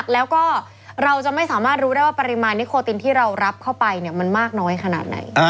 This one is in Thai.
แล้วก็เราจะไม่สามารถรู้ได้ว่าปริมาณนิโคตินที่เรารับเข้าไปมันมากน้อยขนาดไหน